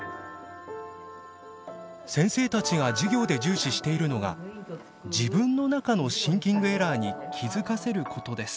先生たちが授業で重視しているのが自分の中のシンキングエラーに気付かせることです。